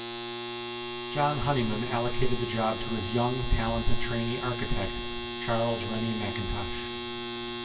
John Honeyman allocated the job to his young, talented, trainee architect, Charles Rennie Mackintosh.